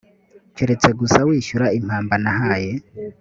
keretse gusa wishyura impamba nahaye